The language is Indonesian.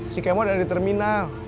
si kemor ada di terminal